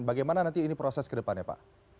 bagaimana nanti ini proses ke depannya pak